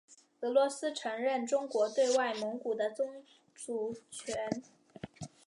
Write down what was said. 俄罗斯承认中国对外蒙古的宗主权。